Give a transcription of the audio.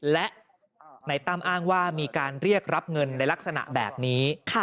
และในตั้มอ้างว่ามีการเรียกรับเงินในลักษณะแบบนี้